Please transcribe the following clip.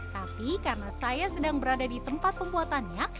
tapi karena saya sedang berada di tempat pembuatannya